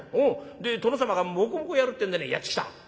で殿様がもこもこやるってんでねやって来た」。